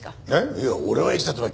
いや俺はいつだってお前